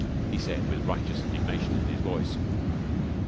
he said with righteous indignation in his voice.